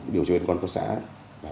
điều tra viên cơ quan cấp xã